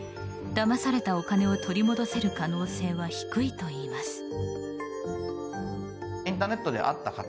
だまされたお金を取り戻せる可能性は低いといいます。